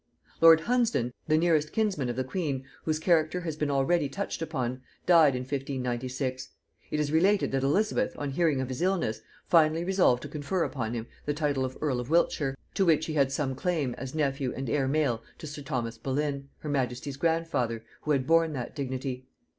Lord Hunsdon, the nearest kinsman of the queen, whose character has been already touched upon, died in 1596. It is related that Elizabeth, on hearing of his illness, finally resolved to confer upon him the title of earl of Wiltshire, to which he had some claim as nephew and heir male to sir Thomas Boleyn, her majesty's grandfather, who had borne that dignity.